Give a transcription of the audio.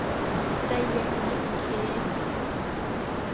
ใจเย็นนะหมีเคน